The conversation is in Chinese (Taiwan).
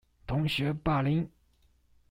同學霸凌